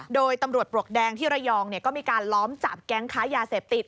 โดยตำรวจปลวกแดงที่ระยองก็มีการล้อมจับแก๊งค้ายาเสพติด